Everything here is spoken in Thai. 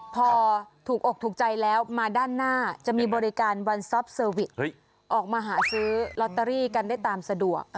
พอถูกอกถูกใจแล้วมาด้านหน้าจะมีบริการวันซอฟเซอร์วิสออกมาหาซื้อลอตเตอรี่กันได้ตามสะดวก